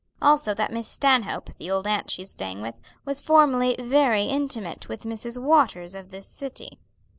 Also that Miss Stanhope, the old aunt she's staying with, was formerly very intimate with Mrs. Waters of this city.